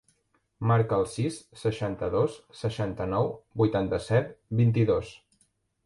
Marca el sis, seixanta-dos, seixanta-nou, vuitanta-set, vint-i-dos.